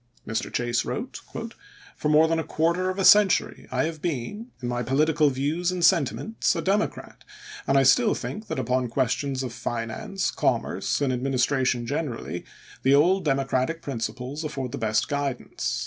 Mr. Chase wrote: "For more than a quarter of a century I have been, in 400 ABRAHAM LINCOLN ch. xvii. my political views and sentiments, a Democrat, and I still think that upon questions of finance, com merce, and administration generally the old Demo cratic principles afford the best guidance."